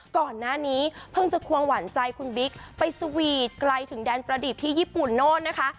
ก่อนหน้านี้เพิ่งจะควงหวานใจคุณบิ๊กไปสวีทไกลถึงแดนประดิบที่ญี่ปุ่นโน่นนะคะ